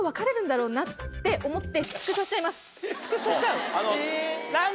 スクショしちゃう？